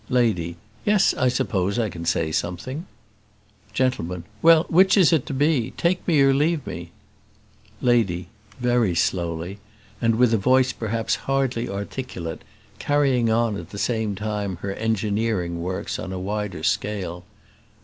Lady. "Yes, I suppose I can say something." Gentleman. "Well, which is it to be; take me or leave me?" Lady very slowly, and with a voice perhaps hardly articulate, carrying on, at the same time, her engineering works on a wider scale.